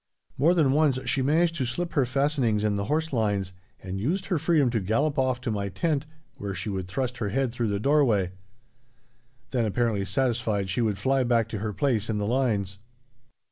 More than once she managed to slip her fastenings in the horse lines, and used her freedom to gallop off to my tent, where she would thrust her head through the doorway; then, apparently satisfied, she would fly back to her place in the lines.